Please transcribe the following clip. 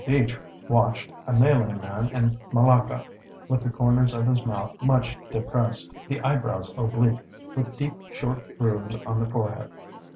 Geach watched a Malay man in Malacca, with the comers of his mouth much depressed, the eyebrows oblique, with deep short grooves on the forehead.